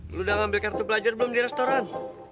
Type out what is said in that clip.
lu udah ngambil kartu pelajar belum di restoran